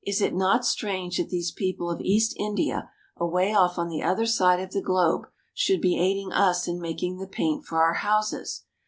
Is it not strange that these people of East India, away off on the other side of the globe, should be aiding us in making the paint for our houses